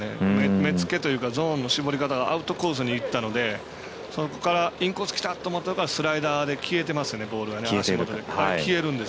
目付けというかゾーンの絞り方がアウトコースにいったのでそこからインコースきたと思ったらスライダーで消えてますから足元で。